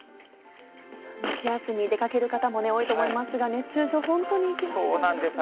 夏休み、出かける方も多いと思いますが、熱中症、そうなんです。